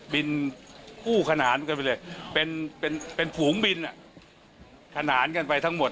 บินกู้ขนานกันไปเลยเป็นผูงบินขนานกันไปทั้งหมด